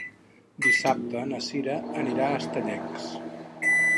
Dissabte na Sira anirà a Estellencs.